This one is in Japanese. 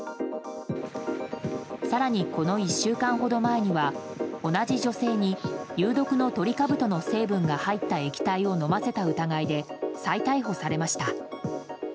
更にこの１週間ほど前には同じ女性に有毒のトリカブトの成分が入った液体を飲ませた疑いで再逮捕されました。